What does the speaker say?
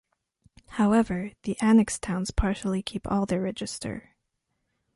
However, the annexed towns partially keep all their register.